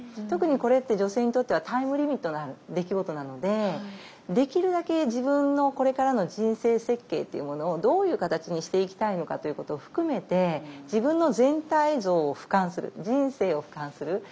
特にこれって女性にとってはタイムリミットのある出来事なのでできるだけ自分のこれからの人生設計っていうものをどういう形にしていきたいのかということを含めて自分の全体像をふかんする人生をふかんする。